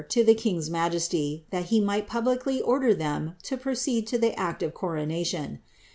to the king's inajesiy, thai he misht pul'licly order them to proceed lo tile act of coronation.